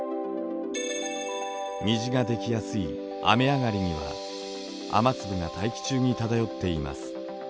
虹が出来やすい雨上がりには雨粒が大気中に漂っています。